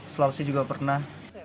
sulawesi juga pernah